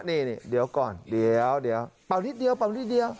นี่นี่เดี๋ยวก่อนเดี๋ยวเดี๋ยวเบานิดเดียวเบานิดเดียว